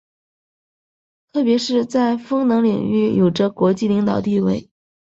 特别是在风能领域有着国际领导地位。